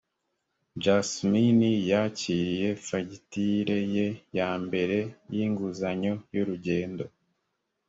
jasmin yakiriye fagitire ye ya mbere y inguzanyo y urugendo